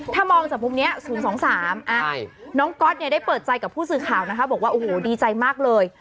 ถ้ามองจากมุมนี้๐๒๓น้องก๊อตเนี่ยได้เปิดใจกับผู้สื่อข่าวนะคะบอกว่าโอ้โหดีใจมากเลย